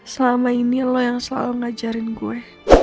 selama ini lo yang selalu ngajarin gue